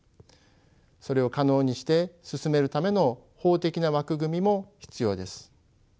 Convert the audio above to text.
それを可能にして進めるための法的な枠組みも必要です。